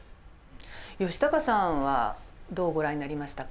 吉高さんはどうご覧になりましたか？